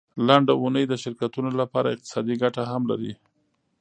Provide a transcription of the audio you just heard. لنډه اونۍ د شرکتونو لپاره اقتصادي ګټه هم لري.